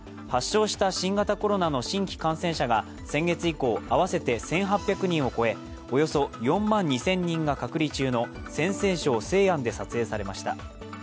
発症した新型コロナの新規感染者が先月以降合わせて１８００人を超え、およそ４万２０００人が隔離中の陝西省・西安で撮影されました。